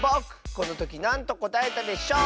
このときなんとこたえたでしょう？